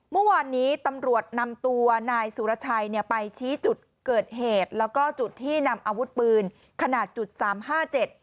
เมื่อวานนี้ตำรวจนำตัวนายสุรชัยเนี่ยไปชี้จุดเกิดเหตุแล้วก็จุดที่นำอาวุธปืนขนาดจุดสามห้าเจ็ด